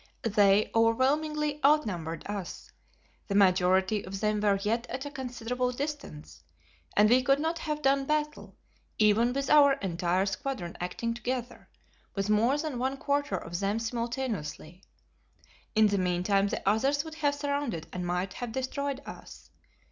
They overwhelmingly outnumbered us, the majority of them were yet at a considerable distance and we could not have done battle, even with our entire squadron acting together, with more than one quarter of them simultaneously. In the meantime the others would have surrounded and might have destroyed us.